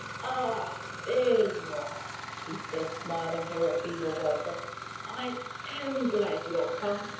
"Ah, there you are!" he said, smiling her a feeble welcome. "I am glad you are come.